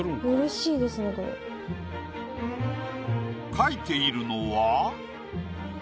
描いているのは。